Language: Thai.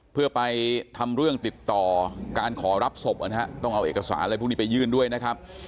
เพื่อไปทำเรื่องติดต่อการขอรับศพนะฮะต้องเอาเอกสารอะไรพวกนี้ไปยื่นด้วยนะครับ